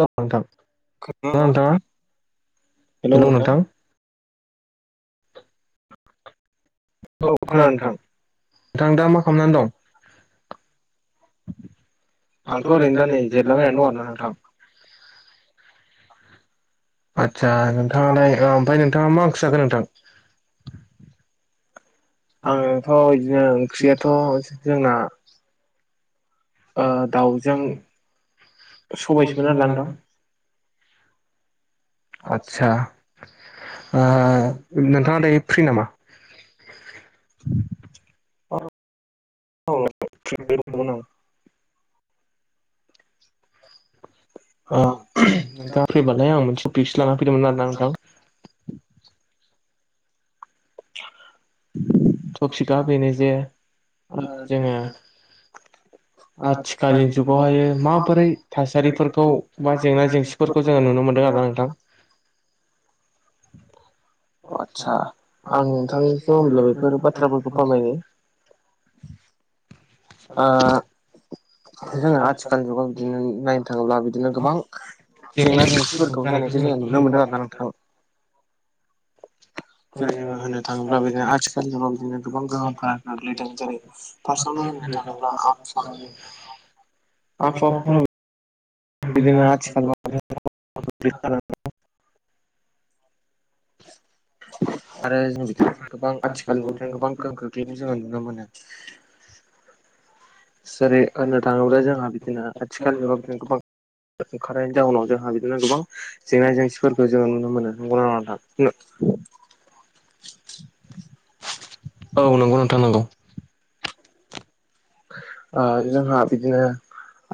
Hello नोंथां [inaudible] खोनादोंना? नोंथाङा हेलौ नोंथां। औ खोनादों नोंथां। नोंथां दा मा खालामनानै दं? आंथ' ओरैनो दा नै जिरायलाबायनानै दं आरोना नोंथां। आदसा नोंथाङा दायो ओ ओमफाय नोंथाङा मा ओंख्रि जाखो नोंथां? आंङोथ' इदिनो ओंख्रियाथ' जोंना ओ दाउजों सबायसोमोन आरोना नोंथां। आदसा ओ नोंथाङा दायो फ्रि नामा? औ [inaudible] औ नोंथाङा फ्रिबालाय आं मोनसे टफिक्स सो लानानै फैदोंमोन आरोना नोंथां। टपिकआ बेनो जे जोङो आथिखालनि जुगावहायो माबोरै थासारिफोरखौ बा जेंना जेंसि फोरखौ जोङो नुनो मोन्दों आरोना नोंथां। अ आदसा आं नोंथांनिथ' होमब्ला बेफोर बाथ्राफोरखौ फोरमायनि आ जोंङो आथिखालनि जुगाव बिदिनो नायनो थाङोब्ला बिदिनो गोबां जेंना जेंसिफोरखौ जानायखौ जोङो नुनो मोनदों आरो ना नोंथां। जैरै जोङो होननो थाङोब्ला बिदिनो आथिखालनि बिदिनो गोबां गोहोमफोरा गोग्लैदों जेरै फार्ष्टावनो होननो थांङोबोला [unintelligible] बिदिनो आथिखालाव [inaudible] आरो जों बिदिनो गोबां औ आथिखालनि [inaudible] गोबां गो बेनो जोङो नुनो मोनो जेरै होननो थाङोब्ला जोंहा बिदिनो आथिखाल जुगाव बिदिनो गोबां ओंखारनायनि जाहोनाव जोंहा बिदिनो गोबां जेंना जेंसिफोरखो जोङो नुनो मोनो नंगौ ना नङा नोंथां? औ नोंगौ नोंथां नोंगौ। ओ जोंहा बिदिनो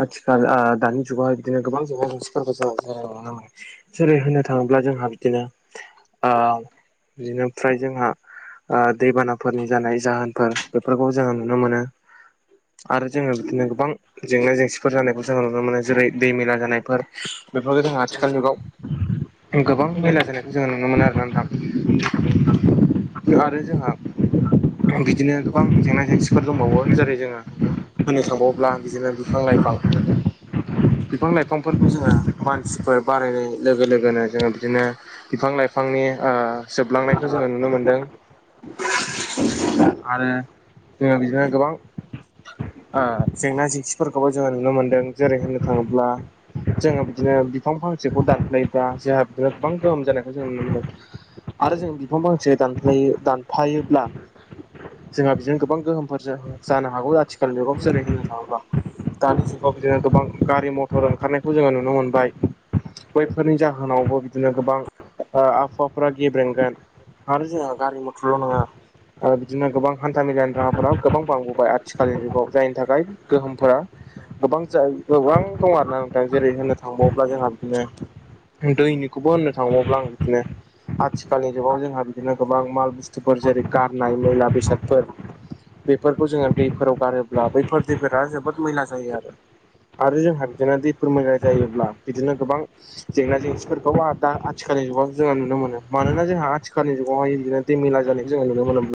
आथिखाल आ दानि जुगावहाय बिदिनो गोबां जेंना जेंसि [inaudible] जेरै होननो थाङोब्ला जोंहा बिदिनो ओ बिदिनोफ्राय जोंहा ओ दैबानाफोरनि जानाय जाहोनफोर बेफोरखौबो जोङो नुनो मोनो। आरो जोङो बिदिनो गोबां जेंना जेंसिफोर जानायखौ जोङो नुनो मोनो जेरै दै मैला जानायफोर बेफोरखौ जों आथिखाल जुगाव गोबां मैला जानाय जोङो नुनो मोनो आरोना नोंथां आरो जोंहा बिदिनो गोबां जेंना जेंसिफोर दंबावो जेरै जोङो होननो थांबावोब्ला बिदिनो बिफां लाइफां बिफां लाइफांफोरखौ जोङो मानसिफोर बारायनाय लोगो लोगोनो जोङो बिदिनो बिफां लाइफांनि ओ जोबलांनायखो जोङो नुनो मोनदों। [inaudible] आरो जोङो बिदिनो गोबां ओ जेंना जेंसिफोरखौबो जोङो नुनो मोनदों जेरै होननो थाङोब्ला जोङो बिदिनो बिफां फांसेखौ दानफ्लायोब्ला जोंहा गोबां गोहोम जानायखौ जों नुनो मोनो। आरो जों बिफां फांसे दानफायोब्ला जोंहा बिदिनो गोबां गोहोमफोर जानो हागौ आथिखाल जुगाव जेरै होननो थाङोब्ला दानि जुगाव बिदिनो गोबां गारि मथर ओंखारनायखौ जोङो नुनो मोनबाय। बैफोरनि जाहोनावबो बिदिनो गोबां ओ आबहावाफ्रा गेब्रेंगोन आरो जोंहा गारि मथरल' नङा ओ बिदिनो गोबां हान्था मेलानि राहाफोरा गोबां बांबोबाय आ आथिखालनि जुगाव जायनि थाखाय गोहोमफोरा गोबां दं आरो ना नोंथां। जेरै होनो थांबावोब्ला जोंहा बिदिनो दैनिखौबो होननो थांबाव्ला आं बिदिनो आथिखालनि जुगाव जोंहा बिदिनो गोबां माल बुस्थुफोर जेरै गारनाय मैला बेसादफोर बेफोरखौ जोङो दैफोराव गारोब्ला बैफोर दैफोरा जोबोद मैला जायो आरो। आरो जोंहा बिदिनो दैफोर मैला जायोब्ला बिदिनो गोबां जेंना जेंसिफोरखौ आरदा आथिखालनि जुगाव जोङो नुनो मोनो मानोना जोंहा आथिखालनि जुगावहाय इदिनो दै मैला जानायखो जों नुनो मोनो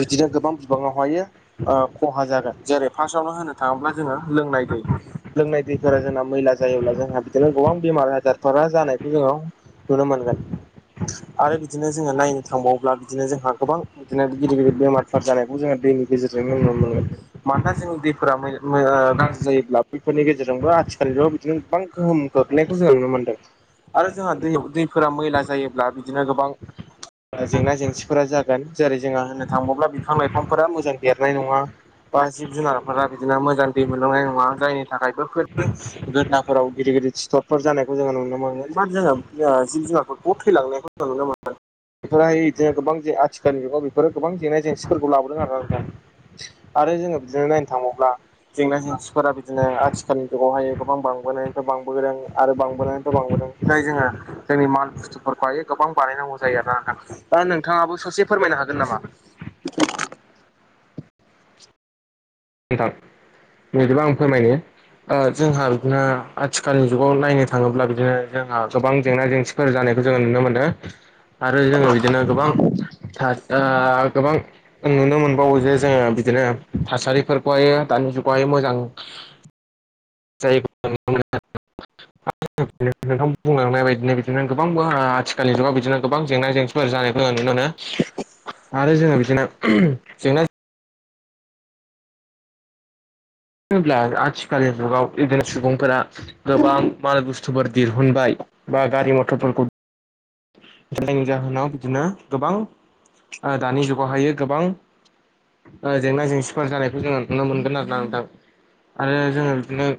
बिदिनो गोबां बिबाङावहायो ओ खहा जागोन जेरै फार्स्टावनो होनो थाङोब्ला जोङो लोंनाय दै लोंनाय दैफोरा जोंना मैला जायोब्ला जोंहा बिदिनो गोबां बेमार आजारफोरा जानायखौ जोङो नुनो मोनगोन। आरो बिदिनो जोङो नायनो थांबावोब्ला बिदिनो जोंहा गोबां बिदिनो गिदिर गिदिर बेमारफोर जानायखौ जोङो दैनि गेजेरजों नुनो मोनगोन। मानोना जोंनि दैफोरा मैल ओ नोंथां गाज्रि जायोब्ला बैफोरनि गेजेरजोंबो आथिखालनि जुगाव बिदिनो गोबां गोहोम गोग्लैनायखौ जोङो नुनो मोनदों। आरो जोंहा दैयाव दैफोरा मैला जायोब्ला बिदिनो गोबां जेंना जेंसिफोरा जागोन जेरै जोंहा होननो थांबाव्ला बिफां लाइफांफोरा मोजां देरनाय नङा। बा जिब जुनारफोरा बिदिनो मोजां दै मोनलांनाय नङा जायनि थाखाय बेफोरनि गोदनाफोराव गिदिर गिदिर सिथरफोर जानायखौ जोङो नुनो मोगोन बा जोङो जिब जुनारफोरखौ थैलांनायखौ जों नुनो मोनगोन ओमफ्राय बिदिनो गोबां आथिखालाव जानि जुगाव बेफोरो गोबां जेंना जेंसिफोरखौ लाबोदों आरो ना नोंथां आरो जोङो [unintelligible] नायनो थाङोबावब्ला जेंना जेंसिफोरा बिदिनो आथिखालनि जुगावहाय गोबां बांबोनायनि फ्राय बांबोदों आरो बांबोनायनिथ' बांबोदों जाय जोङो जोंनि माल बुस्थुफोरखौहायो गोबां बानायनांगौ जायो आरो ना नोंथां दा नोंथाङाबो सासे फोरमायनो हागोन नामा? नोंथां बिदिबा आं फोरमायनो ओ जोंहा बिदिनो आथिखालनि जुगाव नायनो थाङोब्ला बिदिनो जोंहा गोबां जेंना जेंसिफोर जानायखौ जोङो नुनो मोनदों आरो जोङो बिदिनो गोबां ओ गोबां नुनो मोनबावो जे जोङो बिदिनो थासारिफोर [unintelligible] दानि जुगाव हाय मोजां जाय [inaudible] नोंथां बुंलांनाय बायदिनो बिदिनो गोबां बो आथिखालनि जुगाव बिदिनो गोबां जेंना जें फोर जानायखौ ज नुनो मोनो आरो जोङो बिदिनो जेंना होनब्ला आथिखालनि जुगाव बिदिनो सुबुंफोरा गोबां माल बुस्थुफोर दिहुनबाय बा गारि मथरफोरखौ जायनि जाहोनाव बिदिनो गोबां ओ दानि जुगावहायो गोबां ओ जेंना जेंसि फोर जानायखौ जोङो नुनो मोनगोन आरो ना नोंथां आरो जोङो बिदिनो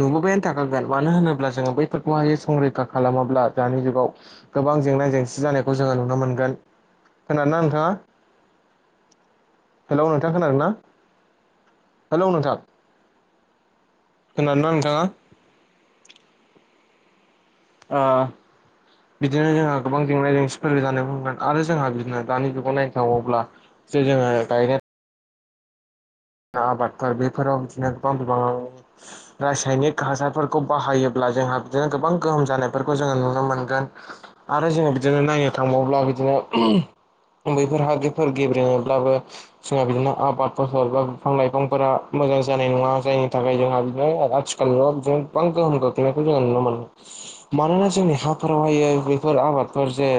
नुबोबायानो थाखागोन मानो होनोब्ला जोङो बैफोरखौहायो संरैखा खालामाब्ला दानि जुगाव गोबां जेंना जेंसि जानायखौ जोङो नुनो मोनगोन। खोनादोंना नोंथाङा? हेलौ नोंथां खोनादों ना? हेलौ नोंथां खोनादोंना नोंथांङा? ओ बिदिनो जोंहा गोबां जेंना जेंसिफोर जानाय बुंगोन आरो जोंहा बिदिनो दानि जुगाव नायनो थाङोबावब्ला जेरै जोंङो [unintelligible] ना आबादफोर बेफोराव बिदिनो गोबां बिबांङाव रासायनिक हासारफोरखौ बाहायोब्ला जोंहा बिदिनो गोबां गोहोम जानायफोरखौ जोङो नुनो मोनगोन आरो जोङो बिदिनो नायनो थांबाव्ला बिदिनो बैफोर हादिफोर गेब्रेङनोब्लाबो जोंहा बिदिनो आबाद फसल ए बा बिफां लाइफांफोरा मोजां जानाय नङा जायनि थाखाय जोंहा बिनो आथिखालल' बिदिनो बां गोहोम गोहोम गोग्लैनायखौ जों नुनो मोनो मानोना जोंनि हाफोरावहाय बेफोर आबादफोर जे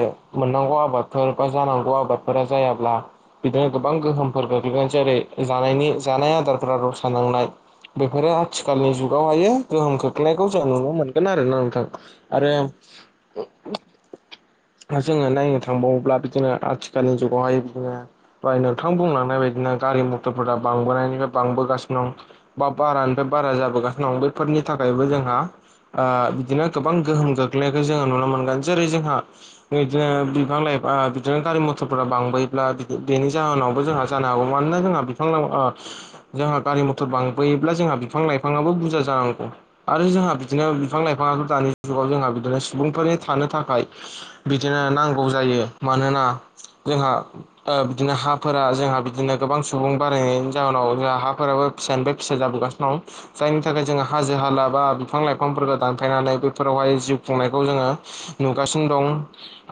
मोननांगौ आबाद फोर बा जानांगौ आबादफोरा जायाब्ला बिदिनो गोबां गोहोमफोर गोग्लैगोन जेरै जानायनि जानाय आदारफोरा रसा नांनाय बेफोरो आथिखालनि जुगावहायो गोहोम खोख्लैनायखौ जों नुनो मोनगोन आरोना नोंथां आरो [unintelligible] जोङो नायनो थांबावोब्ला बिदिनो आथिखालनि जुगावहाय बिदिनो बाय नोंथां बुंलांनाय बायदिना गारि मटरफोरा बांबोनायनिफ्राय बांबोगासिनो दं बा बारानिफ्राय बारा जाबोगासिनो दं बेफोरनि थाखायबो जोंहा आ बिदिनो गोबां गोहोम गोग्लैनायखौ जोङो नुनो मोनगोन जेरै जोंहा बिदिनो बिफां लाइफां बिदिनो गारि मथरफोरा बांबोब्ला बेनि जाहोनावबो जोंहा जानो हागौ मानोना जोंहा बिफां लाय आ जोंहा गारि मटर बांबोयोब्ला जोंहा बिफां लाइफाङाबो बुरजा जानांगौ आरो जोंहा बिदिनो बिफां लाइफाङाथ दानि जुगाव जोंहा बिदिनो सुबुंफोरनि थानो थाखाय बिदिनो नांगौ जायो मानोना जोंहा आ बिदिनो हाफोरा जोंहा बिदिनो गोबां सुबुं बारायनायनि जाहोनाव जोंहा हाफोराबो फिसानिफ्राय फिसा जाबोगासिनो दं जायनि थाखाय जोङो हाजो हाला बा बिफां लाइफांफोरखौ दानफायनानै बैफोरावहाय जिउ खुंनायखौ जोङो। नुगासिनो दं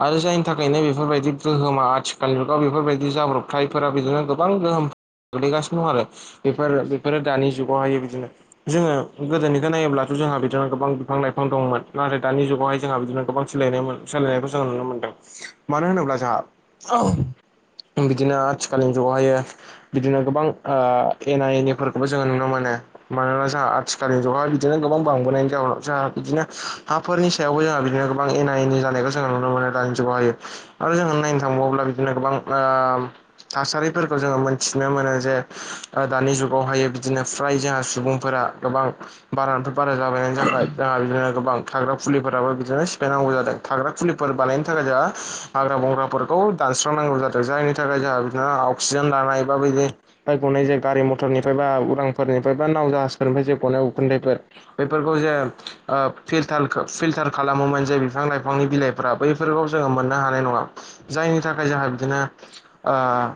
आरो जायनि थाखायनो बेफोरबायदि गोहोमा आथिखाल जुगाव बेफोरबायदि जाब्रबथायफोरा बिदिनो गोबां गोहोम गोग्लैगासिनो दं आरो बेफोरो बेफोरो दानि जुगावहाय बिदिनो जोङो गोदोनिखौ नायोब्लाथ' जोंहा बिदिनो गोबां बिफां लाइफां दंमोन नाथाय दानि जुगावहाय जोंहा बिदिनो गोबां सोलायदोंमोन सोलायनायखौ जों नुनो मोनदों मानो होनोब्ला जोंहा [unintelligible] बिदिनो आथिखालनि ज'हायो बिदिनो गोबां ओ एना एनिफोरखौबो जोङो नुनो मोनो मानोना जोंहा आथिखालनि जुगावहाय बिदिनो गोबां बांबोनायनि जाहनाव जोंहा बिदिनो हा फोरनि सायावबो जोंहा बिदिनो गोबां एनि जानायखौ जोङो नुनो मोनो दानि जुगाव हायो। आरो जोङो नायनो थांबावोब्ला बिदिनो ओ गोबां थासारिफोरखौ जोङो मोन मिथिनो मोनो जे दानि जुगावहाय बिदिनो फ्राय सुबुंफोरा गोबां बारानिफ्राय बारा जाबायनायनि थाखाय जोंहा बिदिनो गोबां थाग्रा फुलिफोराबो बिदिनो सिफायनांगौ जादों। थाग्रा खुलिफोर बानायनो थाखाय जोंहा हाग्रा बंग्राफोरखौ दानस्रांनांगौ जादों। जायनि थाखाय जोंहा बिदिनो आ अक्सिजेन लानाय बा बैदि फ्राय गनाय जे गारि मथरनिफ्राय बा उदांफोरनिफ्राय बा नाव जाहाजफोरनिफ्राय जे गनाय उखुन्दैफोर बेफोरखौ जे ओ फिल्टार फिल्टार खालामोमोन जे बिफां लाइफांनि बिलाइ फोरा बैफोरखौ जोङो मोननो हानाय नङा जायनि थाखाय जोंहा बिदिनो ओ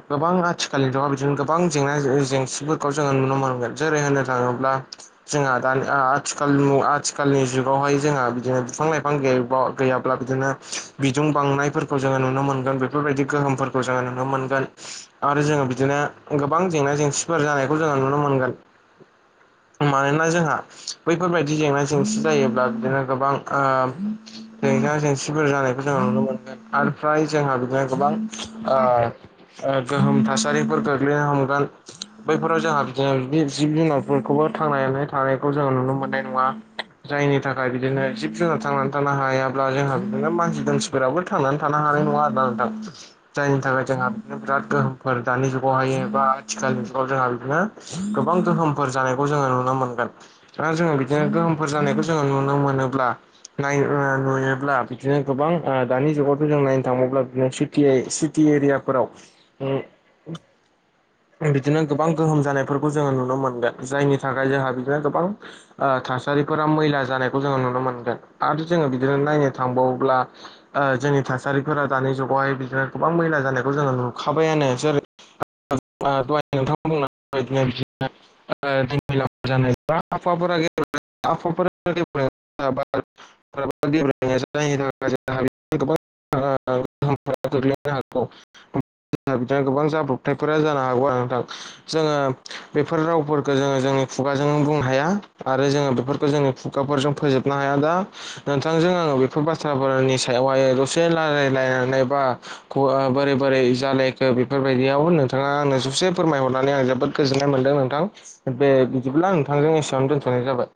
गोबां आथि आथिखालाव बिदिनो गोबां जेंना जेंसिफोरखौ जोङो नुनो मोनगोन। जेरै होननो थाङोब्ला जोंहा दानि आ आथिखाल मु आथिखालनि जुगावहाय जोंहा बिदिनो बिफां लाइफां गैबाव गैयाब्ला बिदिनो बिदुं बांनायफोरखौ जोङो नुनो मोनगोन बेफोरबायदि गोहोमफोरखौ जोङो नुनो मोनगोन। आरो जोङो बिदिनो गोबां जेंना जेंसिफोर जानायखौ जोङो नुनो मोनगोन। मानोना जोंहा बैफोरबायदि जेंना जेंसि जायोब्ला बिदिनो गोबां ओ जेंना जेंसिफोर जानायखौ जोंङो नुनो मोनगोन आमफ्राय जोंहा बिदिनो गोबां ओ ओ गोहोम थासारिफोर गोग्लैनो हमगोन। बैफोराव जोंहा बिदिनो बि जिब जुनारफोरखौबो थांनानै थानायखौ जोङो नुनो मोननाय नङा। जायनि थाखाय बिदिनो जिब जुनार थांनानै थानो हायाब्ला जोंहा बिदिनो मानसि दुमसि फोराबो थांनानै थानो हानाय नङा आरोना नोंथां। जायनि थाखाय जोंहा बिनो बिराद गोहोम फोर दानि जुगावहायो बा आथिखालनि जुगाव जोंहा बिदिनो गोबां गोहोमफोर जानायखौ जोङो नुनो मोनगोन। आरो जोङो बिदिनो गोहोमफोर जानायखौ जोङो नुनो मोनोब्ला नाय ओ नुयोब्ला बिदिनो गोबां ओ दानि जुगावथ' जों नायनो थांबावब्ला बिदिनो सित ति सिति एरियाफोराव उम बिदिनो गोबां गोहोम जानायफोरखौ जोङो नुनो मोनगोन। जायनि थाखाय जोंहा बिदिनो गोबां ओ थासारिफोरा मैला जानायखौ जोङो नुनो मोनगोन आरो जोङो बिदिनो नायनो थांबावोब्ला ओ जोंनि थासारिफोरा दानि जुगावहाय बिदिनो गोबां मैला जानायखौ जोङो नुखाबायानो। जेरै [inaudible] दहाय नोंथाङा बुंलांनाय बायदिनो [inaudible] [inaudible] [inaudible] दा गोबां जाब्रथाय फोरा जानो हागौ आरो नोंथां। जोङो बेफोर रावफोरखौ जोङो जोंनि खुगाजों बुंनो हाया आरो जोङो बेफोरखौ जों खुगाफोरजों फोजोबनो हाया दा। नोंथांजों आङो बेफोर बाथ्राफोरनि सायावहाय दसे लारायनानै बा [unintelligible] बेफोरबायदियाव नोंथाङा आंनो ससे फोरमायहरनानै आं जोबोद गोजोननाय मोन्दों नोंथां। बे बिदिब्ला आं नोंथांजों एसेयावनो दोनथ'नाय जाबाय।